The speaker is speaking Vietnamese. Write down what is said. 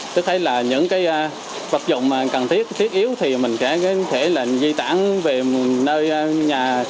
tức thấy là những cái vật dụng cần thiết thiết yếu thì mình sẽ lệnh di tản về nơi nhà